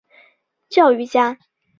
教育家。